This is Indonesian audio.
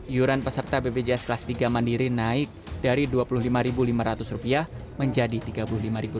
iuran peserta bpjs kelas tiga mandiri naik dari rp dua puluh lima lima ratus menjadi rp tiga puluh lima